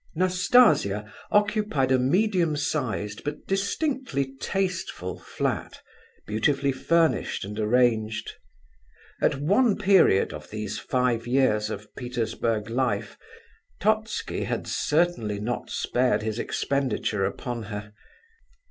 Nastasia occupied a medium sized, but distinctly tasteful, flat, beautifully furnished and arranged. At one period of these five years of Petersburg life, Totski had certainly not spared his expenditure upon her.